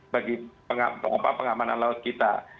bagi pengamanan laut kita